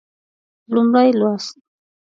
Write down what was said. لومړی لوست